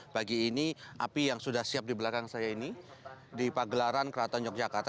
pagi ini api yang sudah siap di belakang saya ini di pagelaran keraton yogyakarta